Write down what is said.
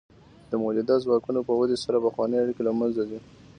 د مؤلده ځواکونو په ودې سره پخوانۍ اړیکې له منځه ځي.